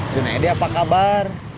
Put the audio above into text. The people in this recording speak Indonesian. junedi apa kabar